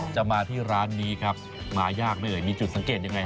ใช่ดองเค้ดองสด